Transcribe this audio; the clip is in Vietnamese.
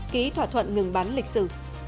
ký thỏa thuận ngừng bán lịch sử